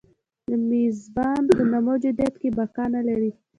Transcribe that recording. د میزبان په نه موجودیت کې بقا نه لري.